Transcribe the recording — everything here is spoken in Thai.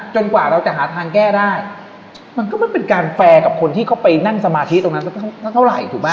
กว่าเราจะหาทางแก้ได้มันก็ไม่เป็นการแฟร์กับคนที่เขาไปนั่งสมาธิตรงนั้นเท่าไหร่ถูกไหม